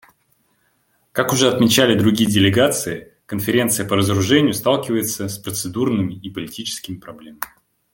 Как уже отмечали другие делегации, Конференция по разоружению сталкивается с процедурными и политическими проблемами.